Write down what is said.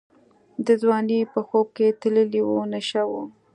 د ځوانۍ په خوب کي تللې وه نشه وه